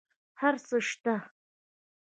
هر څه شته